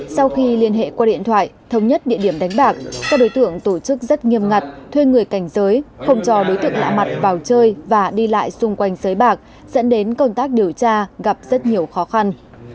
sau khi liên hệ qua điện thoại thống nhất địa điểm đánh bạc các đối tượng tổ chức rất nghiêm ngặt thuê người cảnh giới không cho đối tượng lạ mặt vào chơi và đi lại xung quanh sới bạc dẫn đến công tác điều tra gặp rất nhiều khó khăn